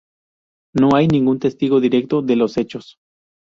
No hay ningún testigo directo de los hechos.